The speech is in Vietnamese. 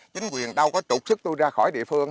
chính quyền đâu có tục sức tôi ra khỏi địa phương